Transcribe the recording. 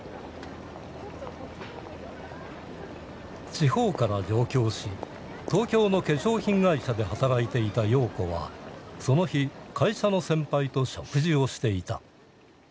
地方から上京し東京の化粧品会社で働いていた陽子はその日会社の先輩と食事をしていた。